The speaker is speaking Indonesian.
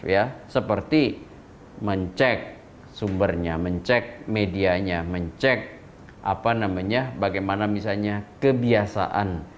ya seperti mencek sumbernya mencek medianya mencek apa namanya bagaimana misalnya kebiasaan